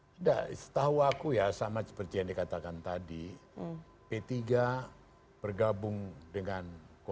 tidak setahu aku ya sama seperti yang dikatakan tadi p tiga bergabung dengan koalisi dengan pdi perjuangan itu sudah betul betul dalam satu diskusi